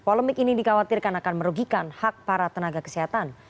polemik ini dikhawatirkan akan merugikan hak para tenaga kesehatan